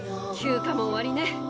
休暇も終わりね。